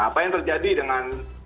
apa yang terjadi dengan